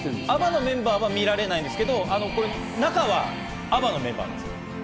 ＡＢＢＡのメンバーは見られないんですけど、中はＡＢＢＡのメンバーです。